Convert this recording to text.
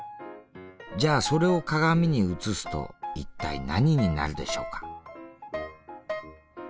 じゃあそれを鏡に映すと一体何になるでしょうか？